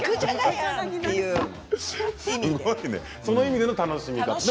その意味での楽しみ方。